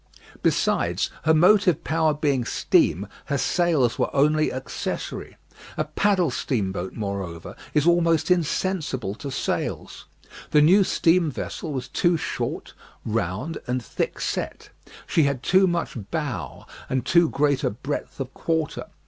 Besides, her motive power being steam, her sails were only accessory. A paddle steamboat, moreover, is almost insensible to sails. The new steam vessel was too short, round, and thick set. She had too much bow, and too great a breadth of quarter.